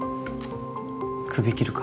クビ切るか？